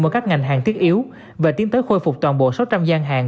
vào các ngành hàng thiết yếu và tiến tới khôi phục toàn bộ sáu trăm linh gian hàng